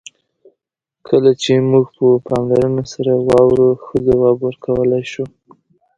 کله چې موږ په پاملرنه سره واورو، ښه ځواب ورکولای شو.